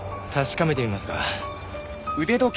確かめてみますか。